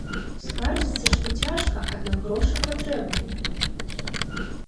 Скардзіцца, што цяжка, аднак грошы патрэбныя.